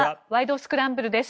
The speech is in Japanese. スクランブル」です。